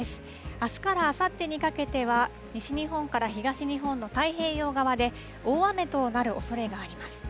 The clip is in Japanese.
あすからあさってにかけては、西日本から東日本の太平洋側で大雨となるおそれがあります。